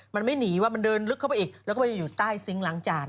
มันไม่หนีว่ามันเดินลึกเข้าไปอีกแล้วก็ไปอยู่ใต้ซิงค์ล้างจาน